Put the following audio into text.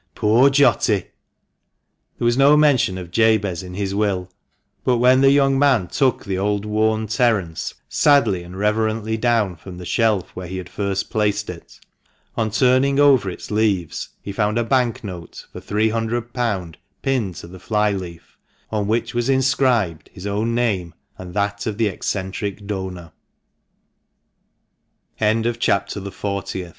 Poor Jotty !" There was no mention of Jabez in his will, but when the young man took the old worn " Terence " sadly and reverently down from the shelf where he had first placed it, on turning over its leaves he found a banknote for ^"300 pinned to the fly leaf, on which was inscribed his own name and that of the eccentr